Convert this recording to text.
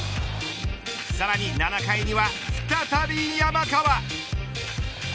さらに７回には再び山川。